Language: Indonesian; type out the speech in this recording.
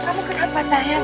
kamu kenapa sayang